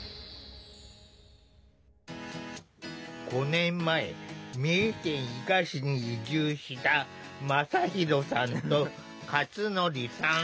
５年前三重県伊賀市に移住したまさひろさんとかつのりさん。